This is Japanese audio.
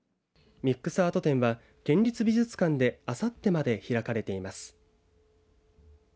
ＭＩＸアート展は県立美術館であさってまで開かれています。